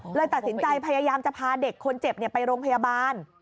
เลยตัดสินใจพยายามจะพาเด็กคนเจ็บไปโรงพยาบาล